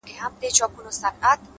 چي په لاسونو كي رڼا وړي څوك _